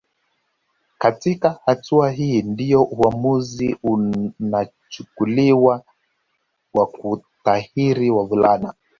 katika hatua hii ndio uamuzi unachukuliwa wa kutahiri wavulana